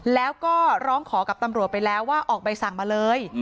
แล้วก็ร้องขอกับตำรวจไปแล้วว่าออกใบสั่งมาเลย